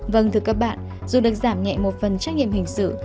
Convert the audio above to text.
vâng thưa các bạn dù được giảm nhẹ một phần trách nhiệm hình sự